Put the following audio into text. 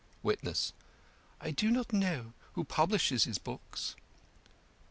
WITNESS: I do not know who publishes his books.